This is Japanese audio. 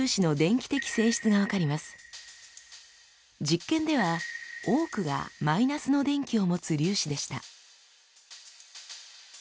実験では多くがマイナスの電気を持つ粒子でした。